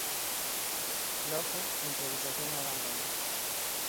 Logo, improvisación e abandono.